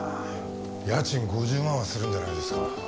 家賃５０万はするんじゃないですか？